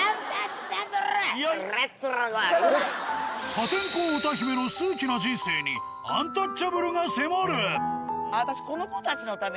破天荒歌姫の数奇な人生にアンタッチャブルが迫る！